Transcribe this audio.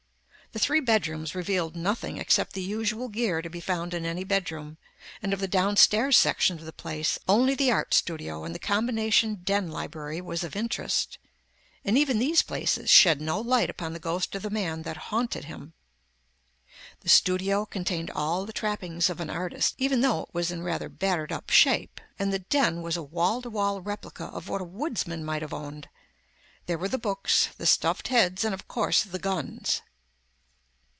The three bedrooms revealed nothing except the usual gear to be found in any bedroom, and of the downstairs section of the place, only the art studio and the combination den library was of interest. And even these places shed no light upon the ghost of the man that haunted him. The studio contained all of the trappings of an artist, even though it was in rather battered up shape, and the den was a wall to wall replica of what a woodsman might have owned. There were the books, the stuffed heads and, of course, the guns.